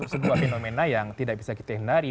sebuah fenomena yang tidak bisa kita hindari